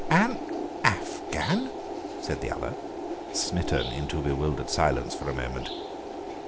"An Afghan!" said the other, smitten into bewildered silence for a moment.